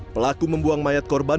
pelaku membuang mayat korban